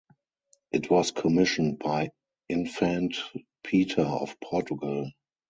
It was commissioned by Infante Peter of Portugal.